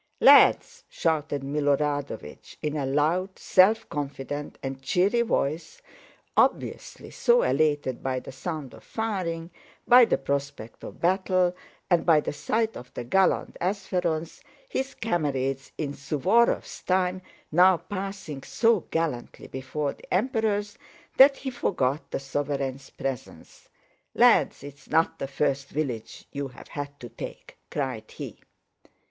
"Lads!" shouted Milorádovich in a loud, self confident, and cheery voice, obviously so elated by the sound of firing, by the prospect of battle, and by the sight of the gallant Ápsherons, his comrades in Suvórov's time, now passing so gallantly before the Emperors, that he forgot the sovereigns' presence. "Lads, it's not the first village you've had to take," cried he.